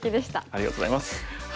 ありがとうございます。